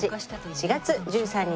４月１３日